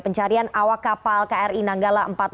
pencarian awak kapal kri nanggala empat ratus dua